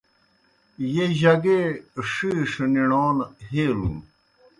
ییْہ جگے ݜِیݜہ نِݨَون ہیلِلُن۔